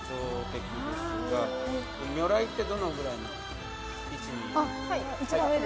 如来ってどのぐらいの位置にいる。